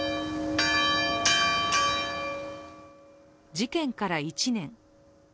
事件から１年。